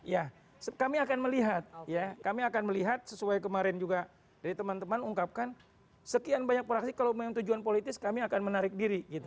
ya kami akan melihat ya kami akan melihat sesuai kemarin juga dari teman teman ungkapkan sekian banyak praksi kalau memang tujuan politis kami akan menarik diri